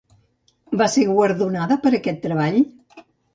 Va ser guardonada per aquest treball?